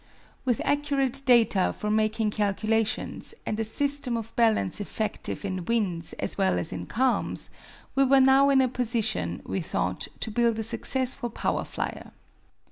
With accurate data for making calculations, and a system of balance effective in winds as well as in calms, we were now in a position, we thought, to build a successful power flyer.